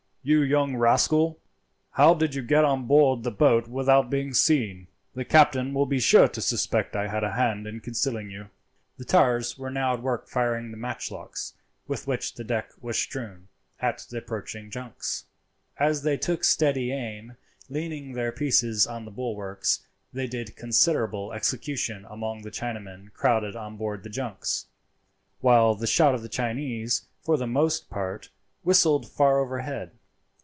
"You young rascal, how did you get on board the boat without being seen? The captain will be sure to suspect I had a hand in concealing you." The tars were now at work firing the matchlocks, with which the deck was strewn, at the approaching junks. As they took steady aim, leaning their pieces on the bulwarks, they did considerable execution among the Chinamen crowded on board the junks, while the shot of the Chinese, for the most part, whistled far overhead.